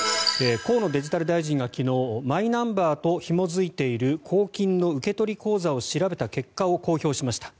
河野デジタル大臣が昨日マイナンバーとひも付いている公金の受取口座を調べた結果を公表しました。